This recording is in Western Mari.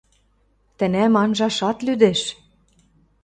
Тӹнӓм анжашат лӱдӹш.